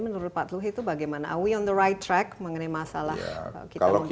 menurut pak luhut itu bagaimana awi on the right track mengenai masalah kita membangun